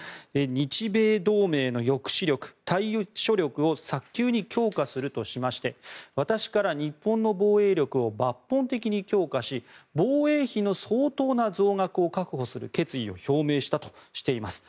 日米同盟の抑止力、対処力を早急に強化するとしまして私から日本の防衛力を抜本的に強化し防衛費の相当な増額を確保する決意を表明したとしています。